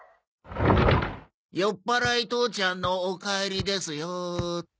酔っぱらい父ちゃんのお帰りですよっと。